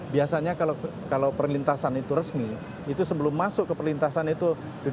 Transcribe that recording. biasanya kalau perlintasan itu resmi itu sebelum masuk ke perlintasan itu